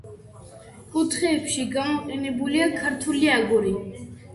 კუთხეებში გამოყენებულია ქართული აგური.